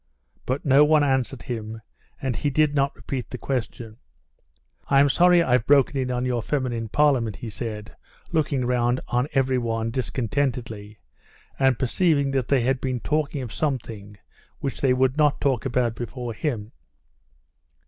But no one answered him, and he did not repeat the question. "I'm sorry I've broken in on your feminine parliament," he said, looking round on everyone discontentedly, and perceiving that they had been talking of something which they would not talk about before him.